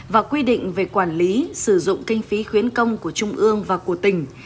và quy định về quản lý sử dụng kinh phí khuyến công của trung ương và của tỉnh